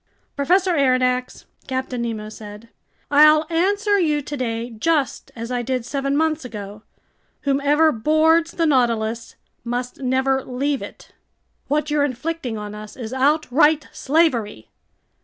"Professor Aronnax," Captain Nemo said, "I'll answer you today just as I did seven months ago: whoever boards the Nautilus must never leave it." "What you're inflicting on us is outright slavery!"